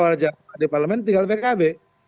warga jamaah di parlement tinggal pkb